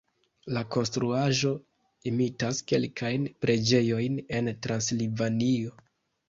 La konstruaĵo imitas kelkajn preĝejojn en Transilvanio.